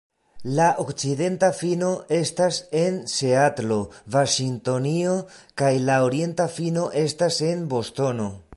La okcidenta fino estas en Seatlo, Vaŝingtonio, kaj la orienta fino estas en Bostono.